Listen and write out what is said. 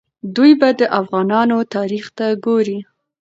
دوی به د افغانانو تاریخ ته ګوري.